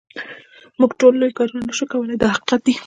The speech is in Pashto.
موږ ټول لوی کارونه نه شو کولای دا حقیقت دی.